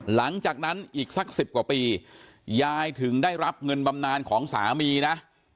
หลังจากนั้นอีกสัก๑๐กว่าปียายถึงได้รับเงินบำนานของสามีนะ